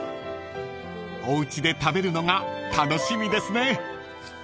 ［おうちで食べるのが楽しみですね］